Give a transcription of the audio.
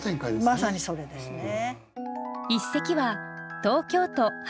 まさにそれですね。